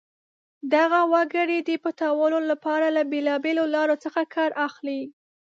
دغه وګړي د پټولو لپاره له بېلابېلو لارو څخه کار اخلي.